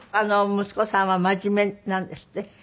息子さんは真面目なんですって？